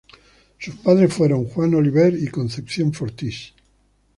Sus padres fueron Juan Oliver y Concepción Fortis.